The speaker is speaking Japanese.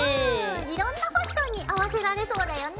いろんなファッションに合わせられそうだよね。